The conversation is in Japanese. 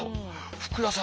福田さん。